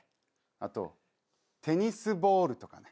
あとテニスボールとかな。